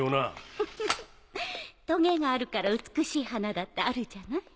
ウフフトゲがあるから美しい花だってあるじゃない。